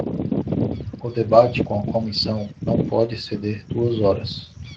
O debate com a comissão não pode exceder duas horas.